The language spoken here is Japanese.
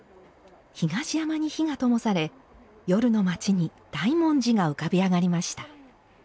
東山に火がともされ夜の町に大文字が浮かびあがりました。